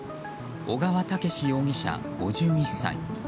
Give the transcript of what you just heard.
小川武志容疑者、５１歳。